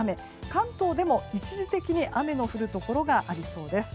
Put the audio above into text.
関東でも一時的に雨の降るところがありそうです。